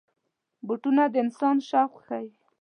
بوټونه د انسان شوق ښيي.